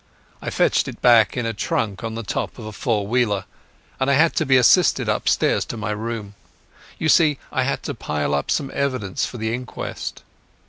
I fetched it back in a trunk on the top of a four wheeler, and I had to be assisted upstairs to my room. You see I had to pile up some evidence for the inquest.